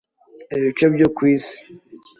Ibice byo ku isi